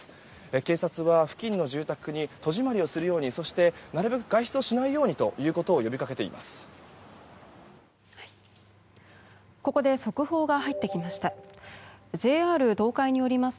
警察は付近の住宅に戸締まりをするようにそして、なるべく外出をしないようにということを呼びかけています。